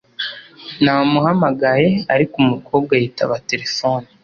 Namuhamagaye, ariko umukobwa yitaba terefone.